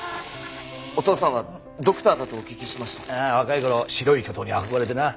ああ若い頃『白い巨塔』に憧れてな。